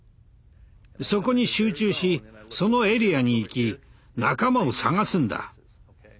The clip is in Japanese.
そこに集中しそのエリアに行き仲間を捜すんだ。